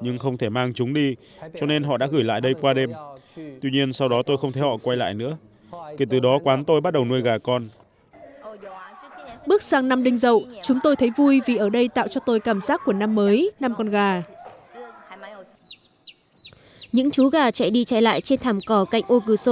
những chú gà chạy đi chạy lại trên thảm cỏ cạnh ô cửa sổ